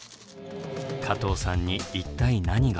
加藤さんに一体何が？